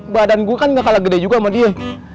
badan gue kan gak kalah gede juga sama dia